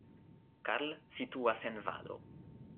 Karl situas en valo.